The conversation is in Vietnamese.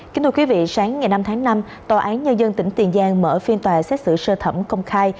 kính thưa quý vị sáng ngày năm tháng năm tòa án nhân dân tỉnh tiền giang mở phiên tòa xét xử sơ thẩm công khai